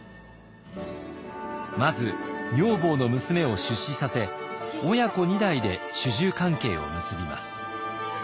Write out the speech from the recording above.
まず女房の娘を出仕させ親子２代で主従関係を結びます。